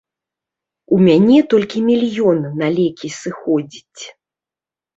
У мяне толькі мільён на лекі сыходзіць.